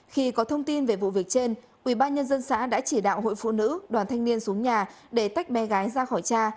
khi có thông tin về vụ việc trên ubnd xã đã chỉ đạo hội phụ nữ đoàn thanh niên xuống nhà để tách bé gái ra khỏi cha